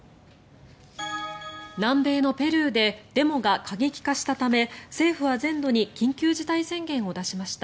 南米のペルーでデモが過激化したため政府は全土に緊急事態宣言を出しました。